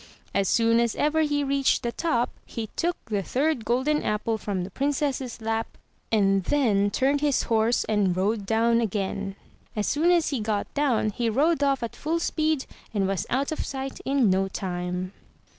As soon as ever he reached the top, he took the third golden apple from, the Princess' lap, and then turned his horse and rode down again. As soon as he got down, he rode off at full speed, and was out of sight in no time.